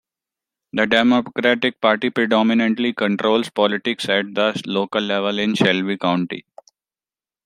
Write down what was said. The Democratic Party predominantly controls politics at the local level in Shelby County.